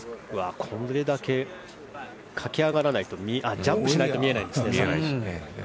これだけ駆け上がらないとジャンプしないと見えないんですね。